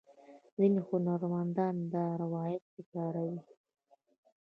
ځینې هنرمندان دا روایت تکراروي.